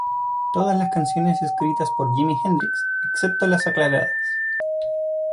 Todas las canciones escritas por Jimi Hendrix excepto las aclaradas.